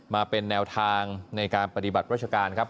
มาเป็นแนวทางในการปฏิบัติราชการครับ